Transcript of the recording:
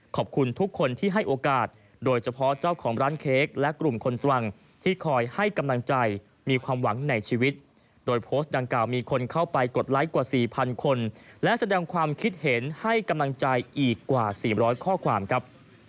ขอบคุณทุกคนที่ให้โอกาสโดยเฉพาะเจ้าของร้านเค้กและกลุ่มคนตรังที่คอยให้กำลังใจมีความหวังในชีวิตโดยโพสต์ดังกล่าวมีคนเข้าไปกดไลค์กว่า๔๐๐คนและแสดงความคิดเห็นให้กำลังใจอีกกว่า๔๐๐ข้อความครับ